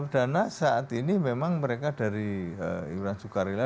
dana saat ini memang mereka dari iuran sukarela